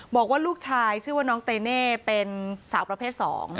บอกว่าลูกชายชื่อว่าน้องเตเน่เป็นสาวประเภท๒